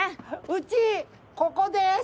うちここです。